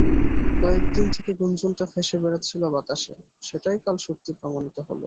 কয়েক দিন থেকে গুঞ্জনটা ভেসে বেড়াচ্ছিল বাতাসে, সেটাই কাল সত্যি প্রমাণিত হলো।